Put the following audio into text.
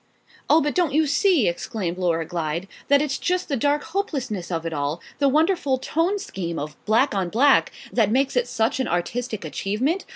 '" "Oh, but don't you see," exclaimed Laura Glyde, "that it's just the dark hopelessness of it all the wonderful tone scheme of black on black that makes it such an artistic achievement?